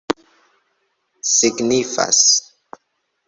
signifas